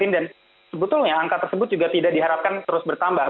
dan sebetulnya angka tersebut juga tidak diharapkan terus bertambah